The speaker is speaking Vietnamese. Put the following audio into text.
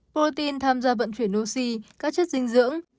protein tham gia vận chuyển oxy các chất dinh dưỡng